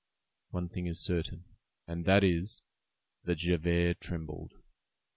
One thing is certain, and that is, that Javert trembled.